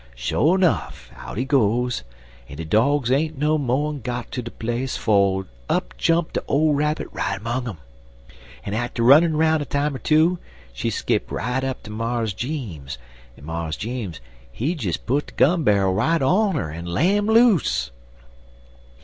Sho nuff, out he goes, en de dogs ain't no mo'n got ter de place fo' up jump de old rabbit right 'mong um, en atter runnin''roun' a time or two, she skip right up ter Mars Jeems, en Mars Jeems, he des put de gun bar'l right on 'er en lammed aloose.